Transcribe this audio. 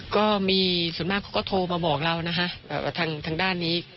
ก็มีส่วนมากเขาก็โทรมาบอกเรานะคะทางด้านนี้